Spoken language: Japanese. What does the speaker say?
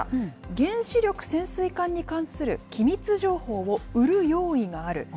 原子力潜水艦に関する機密情報を売る用意がある。